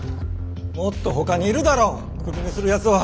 もっとほかにいるだろクビにするやつは。